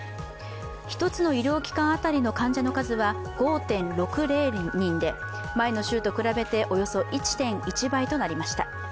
１つの医療機関当たりの患者の数は５．６０人で、前の週と比べておよそ１．１倍となりました。